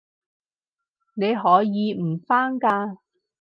你可以唔返㗎